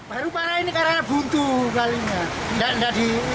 baru parah ini karena buntu kalinya